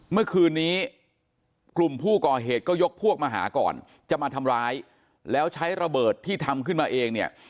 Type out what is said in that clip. เมื่อคืนนี้กลุ่มผู้ก่อเหตุก็ยกพวกมาหาก่อนจะมาทำร้ายแล้วใช้ระเบิดที่ทำขึ้นมาเองเนี่ย